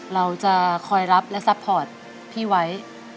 เราจะคอยรับและซัพพอร์ตพี่ไว้